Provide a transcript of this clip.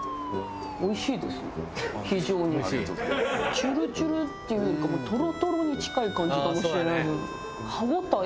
チュルチュルっていうよりかもうトロトロに近い感じかもしれない。